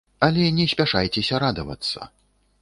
Але не спяшайцеся радавацца.